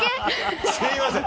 すみません。